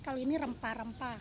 kalau ini rempah rempah